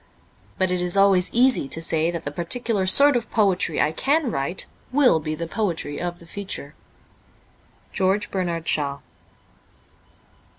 But it is always easy to say that the particular sort of poetry I can write will be the poetry of the future. ' George Bernard Shaw.''